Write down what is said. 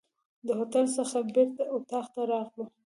د هوټل څخه بیرته اطاق ته راغلو.